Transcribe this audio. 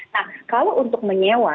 nah kalau untuk menyewa